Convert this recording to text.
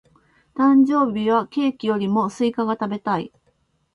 誕生日はケーキよりもスイカが食べたい。